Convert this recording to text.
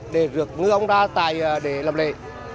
đồng đảo tài để làm lễ